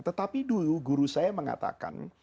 tetapi dulu guru saya mengatakan